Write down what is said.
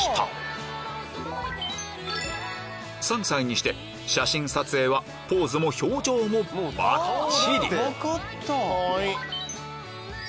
３歳にして写真撮影はポーズも表情もバッチリ！